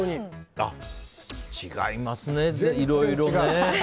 違いますね、いろいろね。